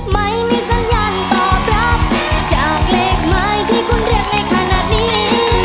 ไม่มีสัญญาณตอบรับจากเลขหมายที่คุณเรียกในขณะนี้